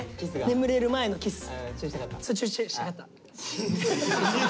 眠れる前のキス。